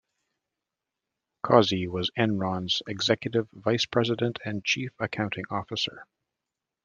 Causey was Enron's Executive Vice President and Chief Accounting Officer.